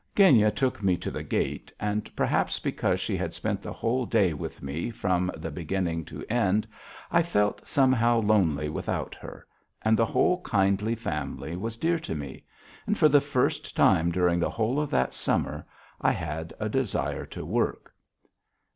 Genya took me to the gate, and perhaps, because she had spent the whole day with me from the beginning to end, I felt somehow lonely without her, and the whole kindly family was dear to me: and for the first time during the whole of that summer I had a desire to work.